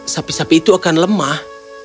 sapi sapi itu akan lemah